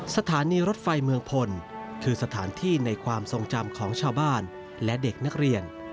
สถานีรถไฟเมืองพลคือสถานที่ในความทรงจำของชาวบ้านและเด็กนักเรียน